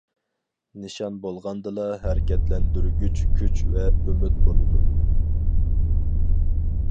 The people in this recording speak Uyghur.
نىشان بولغاندىلا ھەرىكەتلەندۈرگۈچ كۈچ ۋە ئۈمىد بولىدۇ.